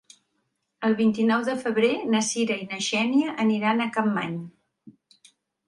El vint-i-nou de febrer na Sira i na Xènia aniran a Capmany.